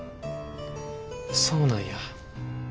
そうなんや。